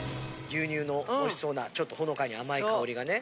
牛乳のおいしそうなちょっとほのかに甘い香りがね。